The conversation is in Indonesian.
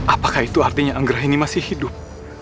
apakah itu artinya anggrah ini masih hidup